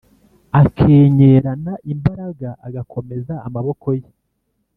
Akenyerana imbaraga, agakomeza amaboko ye